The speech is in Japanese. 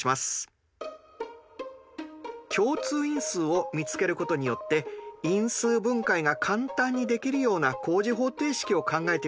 共通因数を見つけることによって因数分解が簡単にできるような高次方程式を考えてみましょう。